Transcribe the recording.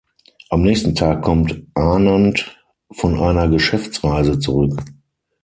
Am nächsten Tag kommt Anand von einer Geschäftsreise zurück.